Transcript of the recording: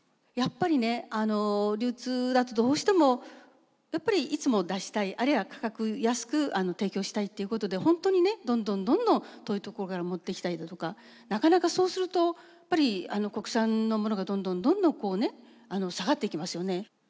やっぱりねあの流通だとどうしてもやっぱりいつも出したいあるいは価格安く提供したいっていうことで本当にねどんどんどんどん遠い所から持ってきたりだとかなかなかそうするとやっぱり国産のものがどんどんどんどんこうね下がっていきますよね。